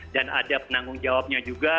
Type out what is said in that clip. dan ada penanggung jawabnya juga